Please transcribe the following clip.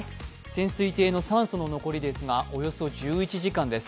潜水艇の酸素の残りですがおよそ１１時間です。